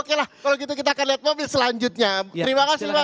oke lah kalau gitu kita akan lihat mobil selanjutnya terima kasih mas